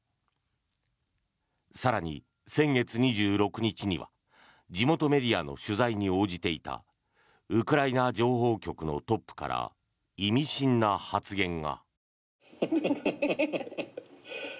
更に、先月２６日には地元メディアの取材に応じていたウクライナ情報局のトップから意味深な発言が。